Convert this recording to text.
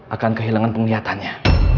akan kehilangan penglihatannya